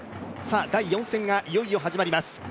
第４戦がいよいよ始まります。